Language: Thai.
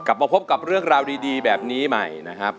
กลับมาพบกับเรื่องราวดีแบบนี้ใหม่นะครับ